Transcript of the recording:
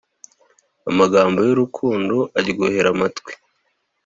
Amagambo y’urukundo aryohera amatwi